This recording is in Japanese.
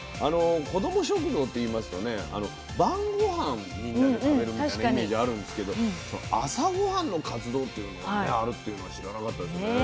子ども食堂といいますとね晩ごはんみんなで食べるみたいなイメージあるんですけど朝ごはんの活動というのもあるっていうのは知らなかったですね。